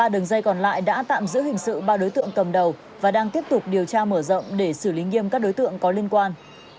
ba đường dây còn lại đã tạm giữ hình sự ba đối tượng cầm đầu và đang tiếp tục điều tra mở rộng để xử lý nghiêm các đối tượng có liên quan